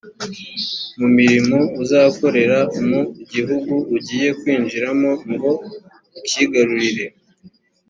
mu mirimo uzakorera mu gihugu ugiye kwinjiramo ngo ukigarurire.